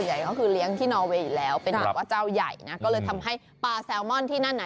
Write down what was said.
ใหญ่ก็คือเลี้ยงที่นอเวย์อยู่แล้วเป็นแบบว่าเจ้าใหญ่นะก็เลยทำให้ปลาแซลมอนที่นั่นน่ะ